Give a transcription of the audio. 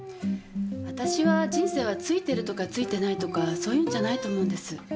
私は人生はツイてるとかツイてないとかそういうんじゃないと思うんです。